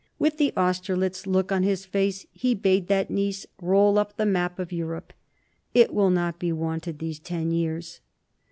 With the Austerlitz look on his face he bade that niece roll up the map of Europe: "It will not be wanted these ten years."